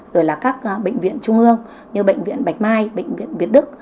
rồi là các bệnh viện trung ương như bệnh viện bạch mai bệnh viện việt đức